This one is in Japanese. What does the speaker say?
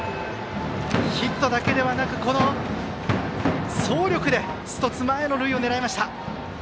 ヒットだけではなく走力で１つ前の塁を狙いました。